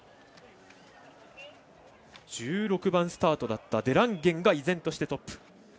１６番スタートだったデランゲンが依然としてトップ。